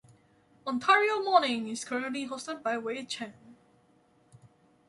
"Ontario Morning" is currently hosted by Wei Chen.